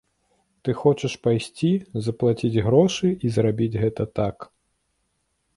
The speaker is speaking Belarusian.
Ты хочаш пайсці, заплаціць грошы, і зрабіць гэта так.